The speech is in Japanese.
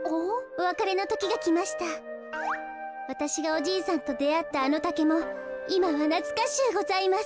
わたしがおじいさんとであったあのタケもいまはなつかしゅうございます。